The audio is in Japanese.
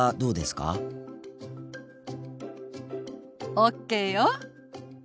ＯＫよ。